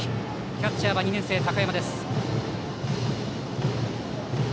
キャッチャーは２年生、高山。